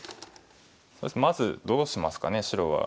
まずどうしますかね白は。